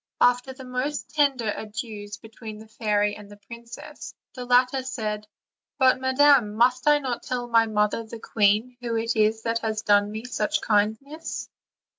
. After the most tender adieus between the fairy and the 'princess, the latter said: "But, madam, must I not tell my mother the queen who it is that has done me such kindness?"